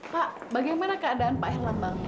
pak bagaimana keadaan pak erlang bang